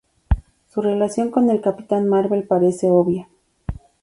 Su relación con el Capitán Marvel parece obvia.